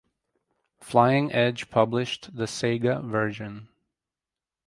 Flying Edge published the Sega versions.